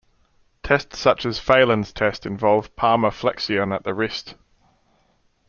Tests such as Phalen's test involve palmarflexion at the wrist.